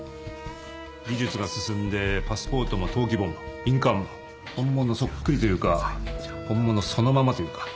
技術が進んでパスポートも登記簿も印鑑も本物そっくりというか本物そのままというか。